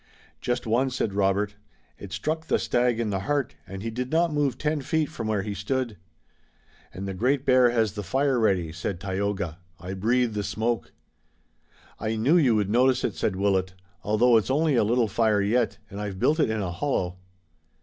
"Just one," said Robert. "It struck the stag in the heart and he did not move ten feet from where he stood." "And the Great Bear has the fire ready," said Tayoga. "I breathe the smoke." "I knew you would notice it," said Willet, "although it's only a little fire yet and I've built it in a hollow."